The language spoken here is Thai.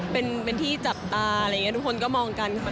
เป็นที่จับตาอะไรอย่างนี้ทุกคนก็มองกันค่ะ